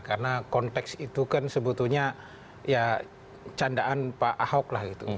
karena konteks itu kan sebetulnya ya candaan pak ahok lah gitu